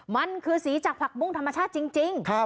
มันคือสีจากผักบุ้งธรรมชาติจริง